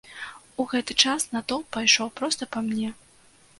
У гэты час натоўп пайшоў проста па мне.